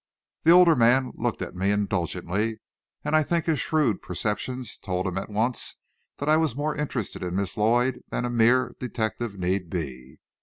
The older man looked at me indulgently, and I think his shrewd perceptions told him at once that I was more interested in Miss Lloyd than a mere detective need be.